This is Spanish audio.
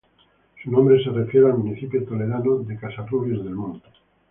Su nombre se refiere al municipio toledano de Casarrubios del Monte.